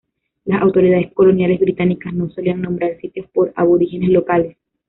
Las autoridades coloniales británicas no solían nombrar sitios por aborígenes locales.